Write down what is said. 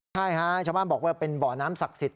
ใช่ฮะชาวบ้านบอกว่าเป็นบ่อน้ำศักดิ์สิทธิ